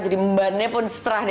jadi membannya pun terserah deh